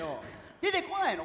出てこないの？